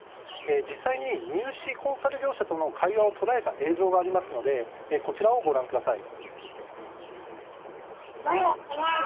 実際に入試コンサル業者との会話を捉えた映像があるのでこちらをご覧ください。